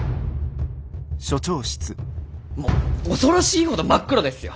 もう恐ろしいほど真っ黒ですよ！